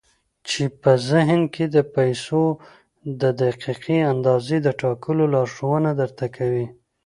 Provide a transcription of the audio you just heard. چې په ذهن کې د پيسو د دقيقې اندازې د ټاکلو لارښوونه درته کوي.